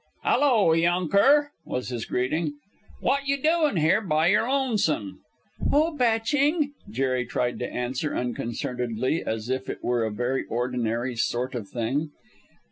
"Hello, younker!" was his greeting. "What you doin' here by your lonesome?" "Oh, bachin'," Jerry tried to answer unconcernedly, as if it were a very ordinary sort of thing.